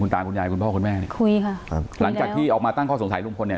ตาคุณยายคุณพ่อคุณแม่เนี่ยคุยค่ะครับหลังจากที่ออกมาตั้งข้อสงสัยลุงพลเนี่ย